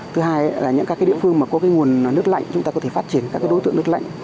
thứ hai là các địa phương có nguồn nước lạnh chúng ta có thể phát triển các đối tượng nước lạnh